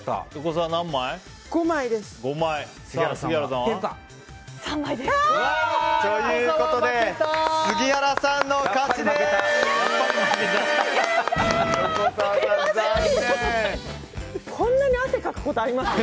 ということで杉原さんの勝ちです！